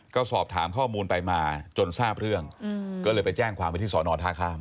ก็สอบถามข้อมูลไปมาจนทราบเรื่องก็เลยไปแจ้งความไว้ที่สอนอท่าข้าม